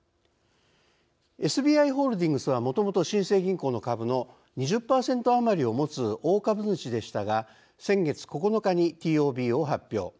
ＳＢＩホールディングスはもともと新生銀行の株の２０％余りを持つ大株主でしたが先月９日にＴＯＢを発表。